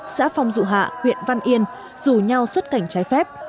xã phong dụ hạ huyện văn yên rủ nhau xuất cảnh trái phép